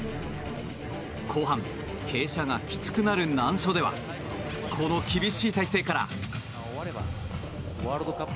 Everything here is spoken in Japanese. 後半、傾斜がきつくなる難所ではこの厳しい体勢から。